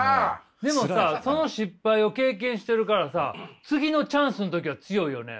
でもさその失敗を経験してるからさ次のチャンスの時は強いよね。